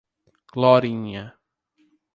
Glorinha